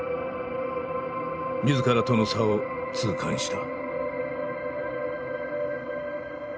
自らとの差を痛感した。